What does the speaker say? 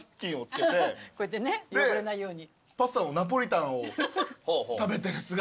こうやってね汚れないように。